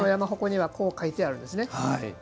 多くの山鉾にはこう書いてあるんですね。